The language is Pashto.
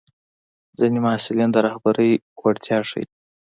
ځینې محصلین د رهبرۍ وړتیا ښيي.